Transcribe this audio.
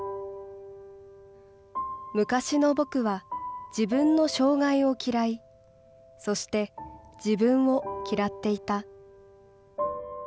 昔の僕は自分の障害を嫌い、そして自分を嫌っていた。